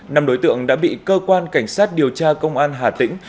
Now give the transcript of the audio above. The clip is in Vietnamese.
năm đối tượng đã bị cơ quan cảnh sát điều tra công an hà tĩnh